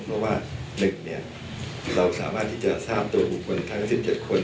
เพราะว่า๑เราสามารถที่จะทราบตัวบุคคลทั้ง๑๗คน